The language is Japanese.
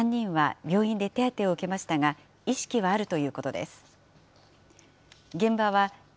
また、３人は病院で手当てを受けましたが、意識はあるということです。